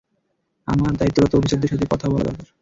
আমার দায়িত্বরত অফিসারের সাথে কথা বলা দরকার।